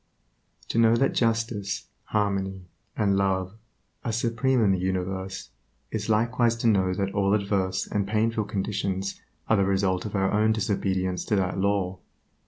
To know that justice, harmony, and love are supreme in the universe is likewise to know that all adverse and painful conditions are the result of our own disobedience to that Law.